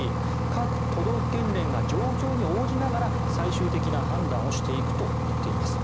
各都道府県連が状況に応じながら最終的な判断をしていくと言っています。